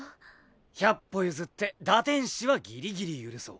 百歩譲って「堕天使」はギリギリ許そう。